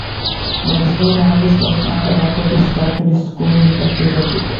By this time, Angus Young had adopted his characteristic school-uniform stage outfit.